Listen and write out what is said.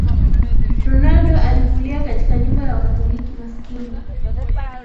Ronaldo alikulia katika nyumba ya wakatoliki maskini